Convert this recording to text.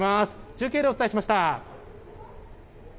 中継でお伝えしました。